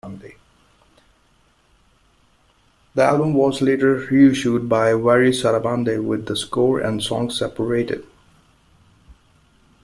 The album was later reissued by Varese Sarabande with the score and songs separated.